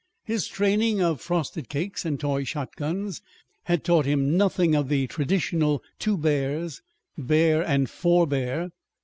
His training of frosted cakes and toy shotguns had taught him nothing of the traditional "two bears," "bear" and "forbear."